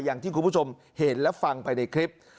อย่างที่คุณผู้ชมเห็นและฟังไปในคลิป